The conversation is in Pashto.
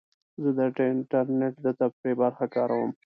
زه د انټرنیټ د تفریح برخه کاروم.